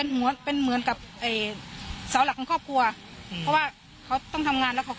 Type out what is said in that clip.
เห็นค่ะตกใจหมดเลยค่ะ